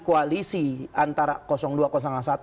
koalisi antara dua satu